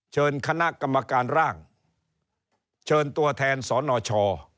เชิญคณะกรรมการร่างเชิญตัวแทนสนช